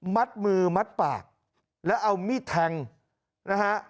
มัดมือมัดปากแล้วเอามีดแทงนะฮะ